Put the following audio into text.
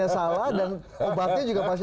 salah dan obatnya juga pasti